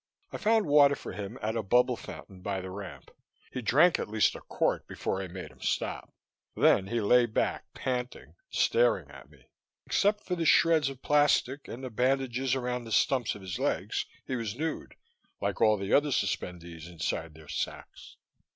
I found water for him at a bubble fountain by the ramp; he drank at least a quart before I made him stop. Then he lay back, panting, staring at me. Except for the shreds of plastic and the bandages around the stumps of his legs, he was nude, like all the other suspendees inside their sacks.